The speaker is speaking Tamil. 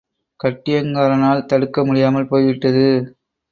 கட்டியங்காரனால் தடுக்க முடியாமல் போய்விட்டது.